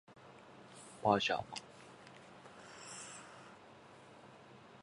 パジャマ